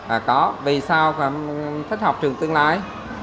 à có vì sao thích học trường tương lai